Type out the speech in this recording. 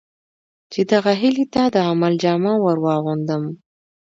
چې دغه هیلې ته د عمل جامه ور واغوندم.